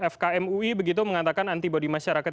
fkm ui begitu mengatakan antibody masyarakat